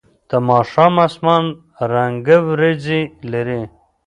د ماښام اسمان رنګه ورېځې لرلې.